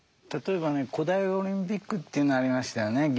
例えばね古代オリンピックというのありましたよね